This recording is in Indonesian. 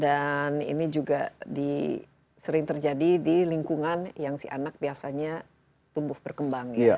dan ini juga sering terjadi di lingkungan yang si anak biasanya tumbuh berkembang